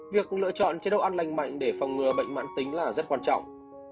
việc lựa chọn chế độ ăn lành mạnh để phòng ngừa bệnh mãn tính là rất quan trọng